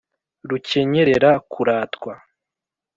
. Rukenyerera kuratwa,